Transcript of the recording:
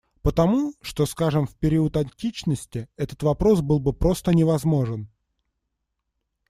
Потому, что, скажем, в период античности этот вопрос был бы просто невозможен.